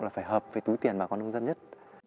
là phải hợp với túi tiền bà con nông dân nhất